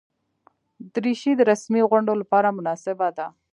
دریشي د رسمي غونډو لپاره مناسبه ده.